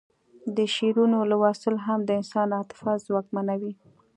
د شعرونو لوستل هم د انسان عاطفه ځواکمنوي